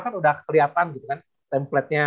kan udah keliatan gitu kan template nya